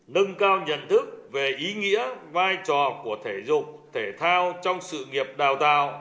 nâng cao nhận thức về ý nghĩa vai trò của thể dục thể thao trong sự nghiệp đào tạo